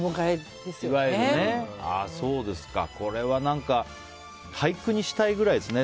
これは何か俳句にしたいくらいですね。